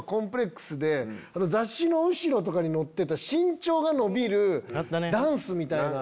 雑誌の後ろとかに載ってた身長が伸びるダンスみたいな。